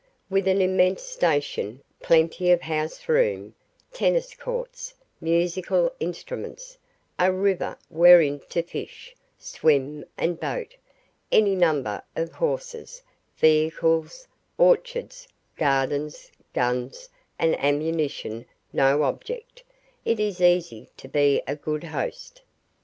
With an immense station, plenty of house room, tennis courts, musical instruments; a river wherein to fish, swim, and boat; any number of horses, vehicles, orchards, gardens, guns, and ammunition no object, it is easy to be a good host.